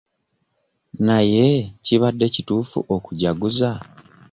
Naye kibadde kituufu okujaguza?